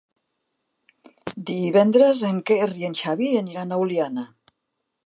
Divendres en Quer i en Xavi aniran a Oliana.